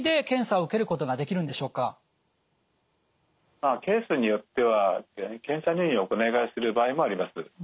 まあケースによっては検査入院をお願いする場合もあります。